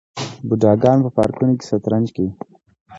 بوډاګان په پارکونو کې شطرنج کوي.